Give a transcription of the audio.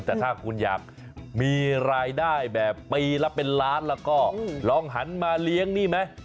แต่ถ้าคุณอยากมีรายได้แบบปีละเป็นล้านแล้วก็ลองหันมาเลี้ยงนี่ไหม